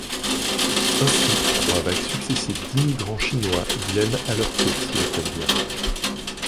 Ainsi, trois vagues successives d'immigrants chinois viennent à leur tour s'y établir.